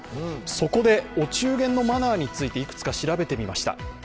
そこで、お中元のマナーについていくつか調べてみました。